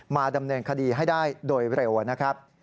มาดำเนินคดีให้ได้โดยเร็วนะครับ